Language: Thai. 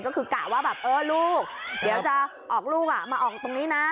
ก็คือกะว่าแบบเออลูกเดี๋ยวจะออกลูกมาออกตรงนี้นะ